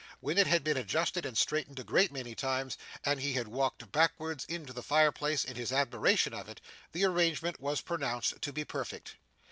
When it had been adjusted and straightened a great many times, and he had walked backwards into the fire place in his admiration of it, the arrangement was pronounced to be perfect.